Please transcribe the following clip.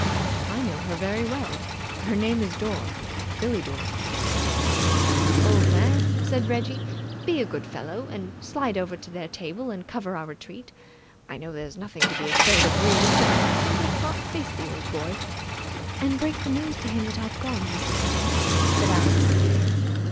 "I know her very well. Her name's Dore. Billie Dore." "Old man," said Reggie, "be a good fellow and slide over to their table and cover our retreat. I know there's nothing to be afraid of really, but I simply can't face the old boy." "And break the news to him that I've gone, Mr. Bevan," added Alice.